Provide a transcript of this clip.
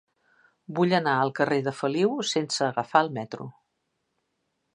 Vull anar al carrer de Feliu sense agafar el metro.